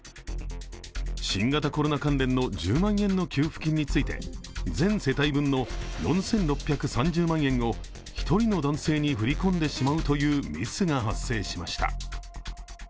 新型コロナ関連の１０万円の給付金について全世帯分の４６３０万円を１人の男性に振り込んでしまうというミスが発生しました。